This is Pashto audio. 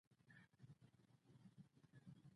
غول د کولمو د جګړې نښه ده.